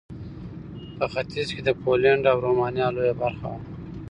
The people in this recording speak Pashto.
په ختیځ کې د پولنډ او رومانیا لویه برخه وه.